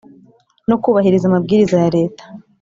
no kubahiriza amabwiriza ya Leta